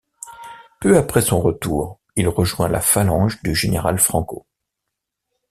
Peu après son retour, il rejoint la Phalange du général Franco.